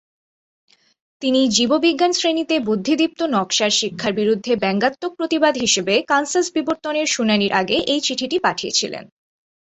তিনি জীববিজ্ঞান শ্রেণিতে বুদ্ধিদীপ্ত নকশার শিক্ষার বিরুদ্ধে ব্যঙ্গাত্মক প্রতিবাদ হিসাবে কানসাস বিবর্তনের শুনানির আগে এই চিঠিটি পাঠিয়েছিলেন।